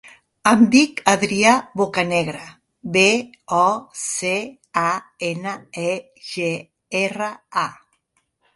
Em dic Adrià Bocanegra: be, o, ce, a, ena, e, ge, erra, a.